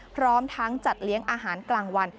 พร้อมทั้งจัดเลี้ยงอาหารกลางวัน